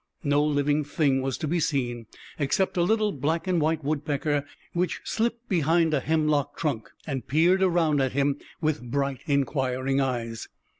No living thing was to be seen, except a little black and white woodpecker, which slipped behind a hemlock trunk and peered around at him with bright, inquiring eyes.